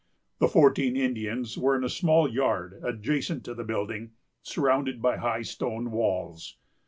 The fourteen Indians were in a small yard adjacent to the building, surrounded by high stone walls.